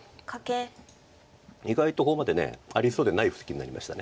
意外とここまでありそうでない布石になりました。